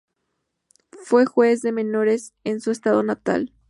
Fue juez de menores en su estado natal.